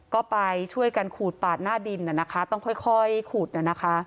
ก็ไปช่วยกันขูดปากหน้าดินน่ะนะคะต้องค่อยค่อยขูดน่ะนะฮะ